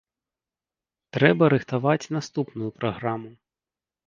Трэба рыхтаваць наступную праграму.